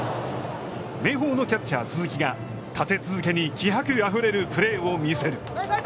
明豊のキャッチャー鈴木が立て続けに気迫あふれるプレーを見せる。